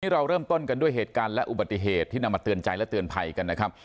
เราเริ่มต้นกันด้วยเหตุการณ์และอุบัติเหตุที่นำมาเตือนใจและเตือนภัยกันนะครับ